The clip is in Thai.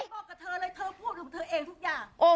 บอกกับเธอเลยเธอพูดของเธอเองทุกอย่าง